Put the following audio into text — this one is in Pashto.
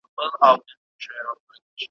د وصال خوب..